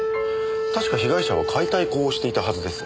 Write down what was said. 確か被害者は解体工をしていたはずです。